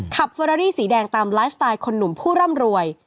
เฟอรารี่สีแดงตามไลฟ์สไตล์คนหนุ่มผู้ร่ำรวย